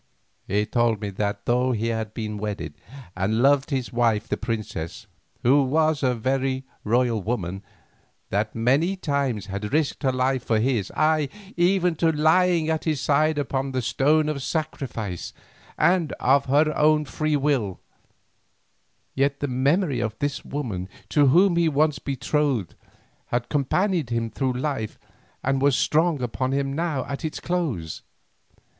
"He told me that though he had been wedded, and loved his wife the princess, who was a very royal woman, that many times had risked her life for his, ay, even to lying at his side upon the stone of sacrifice and of her own free will, yet the memory of this maiden to whom he was once betrothed had companioned him through life and was strong upon him now at its close.